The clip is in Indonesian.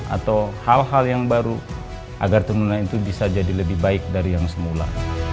atau hal hal yang baru agar turunan itu bisa jadi lebih baik dari yang semula